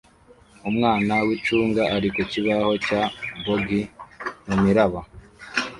Umwana wicunga ari ku kibaho cya boogie mumiraba